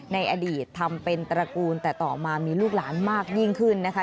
ในอดีตทำเป็นตระกูลแต่ต่อมามีลูกหลานมากยิ่งขึ้นนะคะ